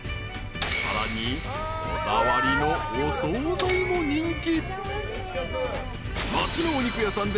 ［さらにこだわりのお総菜も人気］